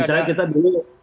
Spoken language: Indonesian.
misalnya kita dulu